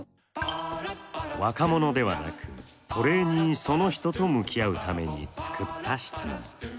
若者ではなくトレーニーその人と向き合うために作った質問。